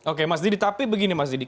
oke mas didi tapi begini mas didi